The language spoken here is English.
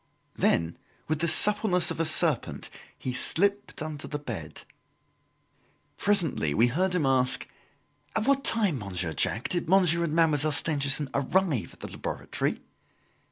Then, with the suppleness of a serpent, he slipped under the bed. Presently we heard him ask: "At what time, Monsieur Jacques, did Monsieur and Mademoiselle Stangerson arrive at the laboratory?"